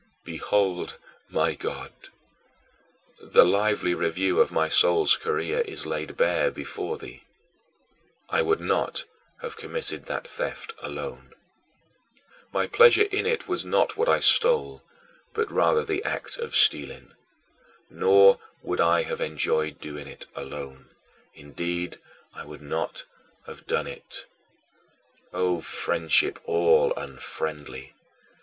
Behold, my God, the lively review of my soul's career is laid bare before thee. I would not have committed that theft alone. My pleasure in it was not what I stole but, rather, the act of stealing. Nor would I have enjoyed doing it alone indeed I would not have done it! O friendship all unfriendly!